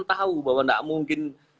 tahu bahwa tidak mungkin